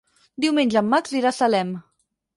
Diumenge en Max irà a Salem.